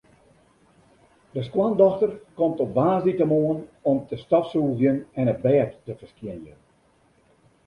De skoandochter komt op woansdeitemoarn om te stofsûgjen en it bêd te ferskjinjen.